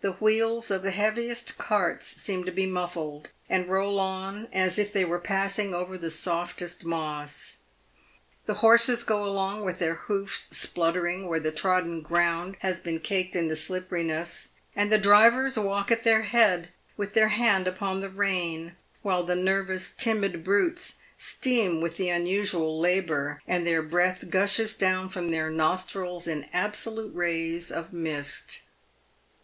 The wheels of the heaviest carts seem to be muffled, and roll on as if they were passing over the softest moss. The horses go along with their hoofs spluttering where the trodden ground has been caked into slipperiness, and the drivers walk at their head, with their hand upon the rein, while the nervous, timid brutes steam with the unusual labour, and their breath gushes down from their nostrils in absolute rays of mist.